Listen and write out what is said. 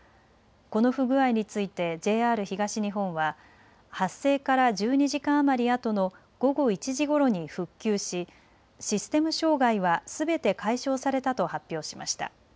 この不具合についてＪＲ東日本は発生から１２時間余りあとの午後１時ごろに復旧しシステム障害はすべて解消されたと発表しました。